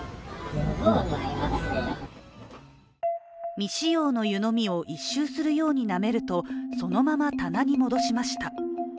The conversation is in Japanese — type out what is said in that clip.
未使用の湯飲みを１周するようになめると、そのまま棚に戻しました。